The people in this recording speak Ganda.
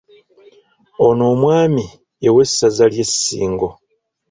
Ono omwami ye w’essaza ly’Essingo.